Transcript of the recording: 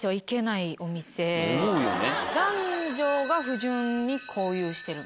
思うよね。